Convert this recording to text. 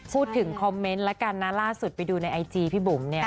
พูดถึงคอมเมนต์แล้วกันนะล่าสุดไปดูในไอจีพี่บุ๋มเนี่ย